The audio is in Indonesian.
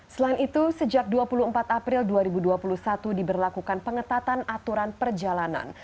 selain itu sejak dua puluh empat april dua ribu dua puluh satu diberlakukan pengetatan aturan perjalanan